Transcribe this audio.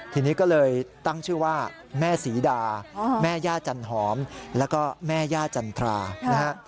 ทีนี้ก็เลยตั้งชื่อว่าแม่ศรีดาแม่ย่าจันหอมแล้วก็แม่ย่าจันทรานะฮะ